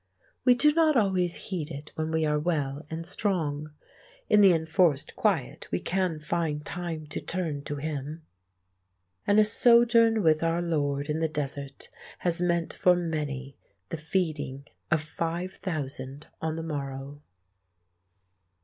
We do not always heed it when we are well and strong. In the enforced quiet we can find time to turn to Him. And a sojourn with our Lord in the desert has meant for many the feeding of five thousand on the morrow.